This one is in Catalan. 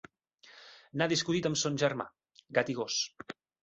N'ha discutit amb son germà, gat i gos.